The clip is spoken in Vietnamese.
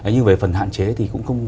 nhưng về phần hạn chế thì cũng